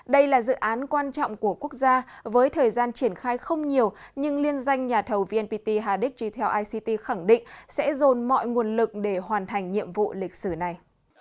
đây là dự án quan trọng của quốc gia với thời gian triển khai không nhiều nhưng liên danh nhà thầu vnpt hadic rti ict khẳng định sẽ dồn mọi nguồn lực để hoàn thành nhiệm vụ lịch sử này